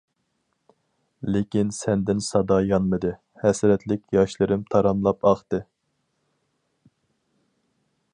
لېكىن سەندىن سادا يانمىدى، ھەسرەتلىك ياشلىرىم تاراملاپ ئاقتى.